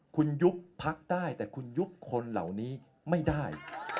คุณยุบพักได้แต่คุณยุบคนเหล่านี้ไม่ได้